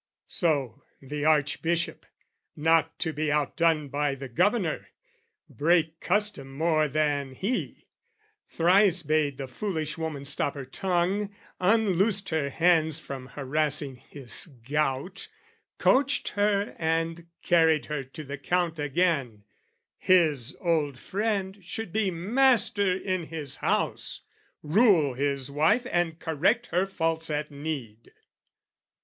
So, the Archbishop, not to be outdone By the Governor, break custom more than he, Thrice bade the foolish woman stop her tongue, Unloosed her hands from harassing his gout, Coached her and carried her to the Count again, His old friend should be master in his house, Rule his wife and correct her faults at need!